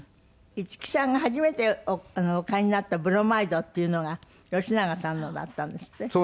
五木さんが初めてお買いになったブロマイドっていうのが吉永さんのだったんですって？